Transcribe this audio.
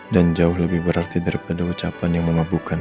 dan jauh lebih berarti daripada ucapan yang memabukankan